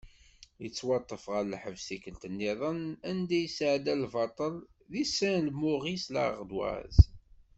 Yettwaṭṭef ɣer lḥebs tikkelt-nniḍen anda i yesεedda lbaṭel deg "Saint Maurice L’ardoise".